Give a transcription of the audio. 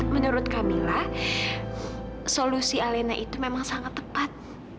menurut kamila solusi alena itu memang sangat tepat